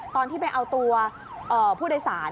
ตอนที่ไปเอาตัวผู้โดยสาร